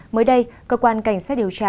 mới đây cơ quan cảnh sát điều tra